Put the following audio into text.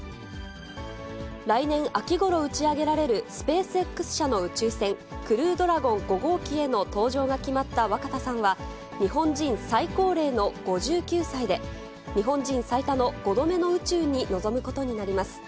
来年秋ごろ打ち上げられるスペースＸ社の宇宙船、クルードラゴン５号機への搭乗が決まった若田さんは、日本人最高齢の５９歳で、日本人最多の５度目の宇宙に臨むことになります。